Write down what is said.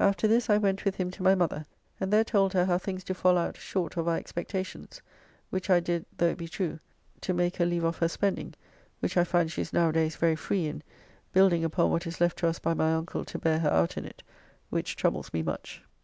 After this I went with him to my mother, and there told her how things do fall out short of our expectations, which I did (though it be true) to make her leave off her spending, which I find she is nowadays very free in, building upon what is left to us by my uncle to bear her out in it, which troubles me much.